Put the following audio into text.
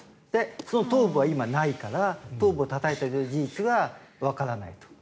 その頭部は今、ないから頭部をたたいたという事実はわからないと。